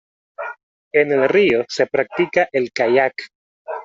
En el río se practica el Kayak.